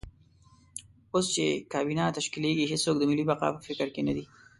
اوس چې کابینه تشکیلېږي هېڅوک د ملي بقا په فکر کې نه دي.